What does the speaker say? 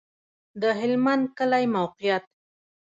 د هلمند کلی موقعیت